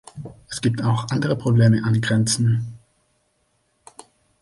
Es gibt auch andere Probleme an Grenzen.